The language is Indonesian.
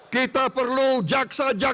kita perlu hakim hakim yang unggul dan jujur